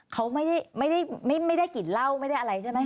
เขาไม่ได้กลิ่นเหล้าไม่ได้อะไรใช่ไหม